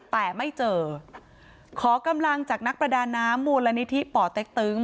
แต่ไม่เจอขอกำลังจากนักประดาน้ำมูลนิธิป่อเต็กตึง